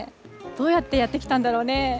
どうやってやって来たんだろうね。